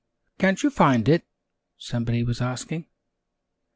"Can't you find it?" somebody was asking.